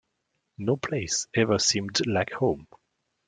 No place ever seemed like home.